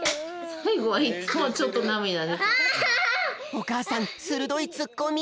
おかあさんするどいツッコミ！